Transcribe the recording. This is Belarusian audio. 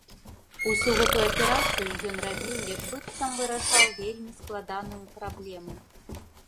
Усю гэту аперацыю ён рабіў, як быццам вырашаў вельмі складаную праблему.